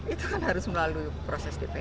itu kan harus melalui proses dpp